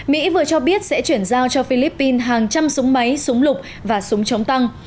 mỹ vừa cho biết sẽ chuyển giao cho philippines hàng trăm súng máy súng lục và súng chống tăng